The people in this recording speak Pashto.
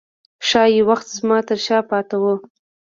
ښايي وخت زما ترشا پاته و